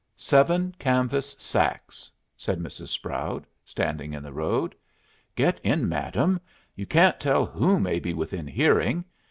"Seven canvas sacks," said Mrs. Sproud, standing in the road. "Get in, madam. You can't tell who may be within hearing.